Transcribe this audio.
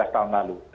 lima belas tahun lalu